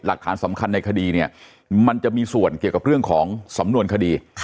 หลักฐานสำคัญในคดีเนี่ยมันจะมีส่วนเกี่ยวกับเรื่องของสำนวนคดี